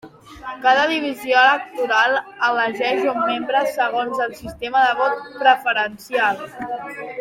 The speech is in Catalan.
Cada divisió electoral elegeix un membre segons el sistema de vot preferencial.